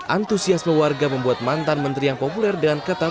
antusiasme warga membuat mantan menteri yang populer dengan kata